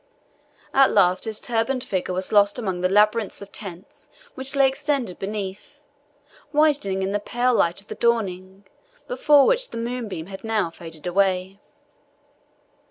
At last his turbaned figure was lost among the labyrinth of tents which lay extended beneath, whitening in the pale light of the dawning, before which the moonbeam had now faded away.